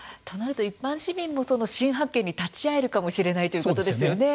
一般市民も新発見に立ち会えるかもしれないということですね。